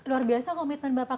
luar biasa komitmen bapak